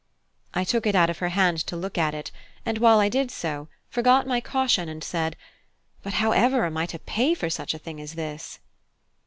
I took it out of her hand to look at it, and while I did so, forgot my caution, and said, "But however am I to pay for such a thing as this?"